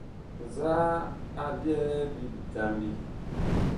Nzaa a byɛ bi bitambi ?